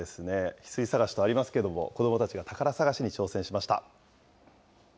ヒスイ探しとありますけれども、子どもたちが宝探しに挑戦しました。